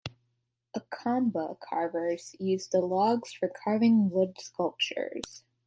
"Akamba" carvers use the logs for carving wood sculptures.